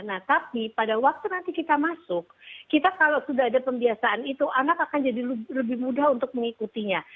nah tapi pada waktu nanti kita masuk kita kalau sudah ada pembiasaan itu anak akan jadi lebih mudah untuk mengikutinya